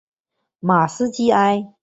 马斯基埃。